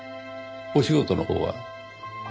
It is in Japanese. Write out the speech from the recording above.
お仕事のほうは？